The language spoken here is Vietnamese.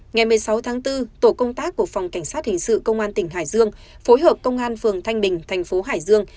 ngày một mươi sáu tháng bốn tổ công tác của phòng cảnh sát hình sự công an tỉnh hải dương phối hợp công an phường thanh bình thành phố hải dương